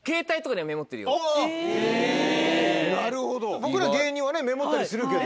僕ら芸人はメモったりするけど。